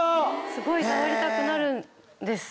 すごい触りたくなるんです。